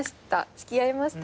付き合いました